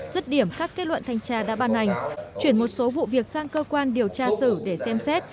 dứt điểm các kết luận thanh tra đã ban hành chuyển một số vụ việc sang cơ quan điều tra xử để xem xét